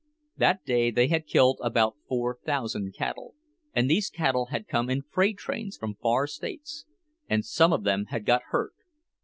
That day they had killed about four thousand cattle, and these cattle had come in freight trains from far states, and some of them had got hurt.